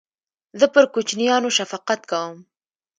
زه پر کوچنیانو شفقت کوم.